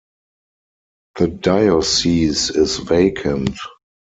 The diocese is vacant.